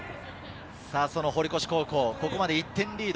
堀越高校、ここまで１点リード。